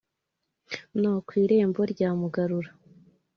no ku irembo rya mugarura